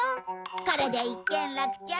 これで一件落着。